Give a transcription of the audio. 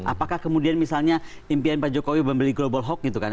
apakah kemudian misalnya impian pak jokowi membeli global hawk gitu kan